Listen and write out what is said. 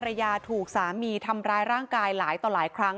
ภรรยาถูกสามีทำร้ายร่างกายหลายต่อหลายครั้ง